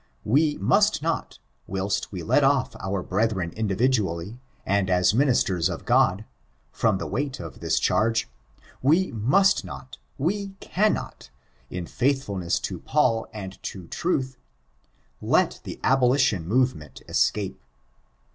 But we must not— whilst we let off our brethren individually, and as ministers of 6od» from the weight of this charge— we must not, and we cannot* in £uth£il ness to Paul and to truth, let the abolition movement escape.